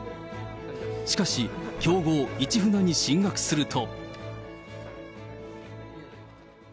しかし、強豪、市船に進学すると。